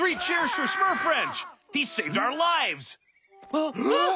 あっ！